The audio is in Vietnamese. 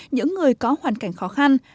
những người có hoàn cảnh khó khăn